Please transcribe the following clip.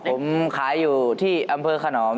ผมขายอยู่ที่อำเภอขนอม